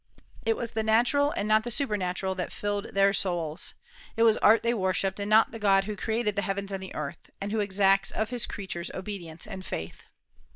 It was the natural and not the supernatural that filled their souls. It was art they worshipped, and not the God who created the heavens and the earth, and who exacts of his creatures obedience and faith.